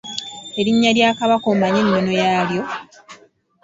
Erinnya lya Kabaka omanyi ennono yaalyo?